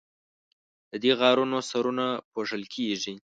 د دې غارونو سرونه پوښل کیږي.